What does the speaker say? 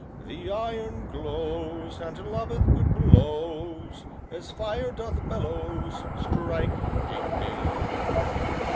The iron glows, And loveth good blows As fire doth bellows. Strike! ding! ding!"